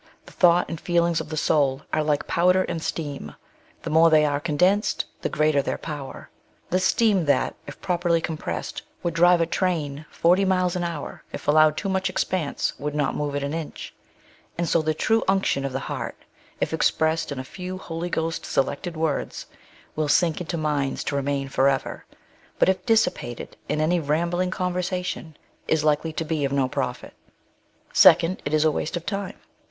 The thought and feelings of the soul are like powder and steam — the more they are^ condensed, the greater their power. The steam that, if properl}^ compressed, would drive a train fort}' miles an hour, if allowed too much expanse, would not move it an inch ; and so the true unction of the heart, if expressed in a few Holy Ghost selected words, will sink into minds to remain forever, but if dissipated in any rambling conversation, is likely to be of no profit. Second, it is a waste of time.